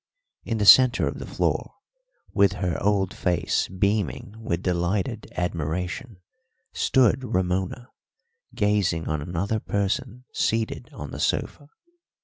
In the centre of the floor, with her old face beaming with delighted admiration, stood Ramona, gazing on another person seated on the sofa.